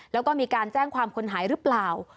แล้วก็มีการแจ้งความคนหายหรือเปล่า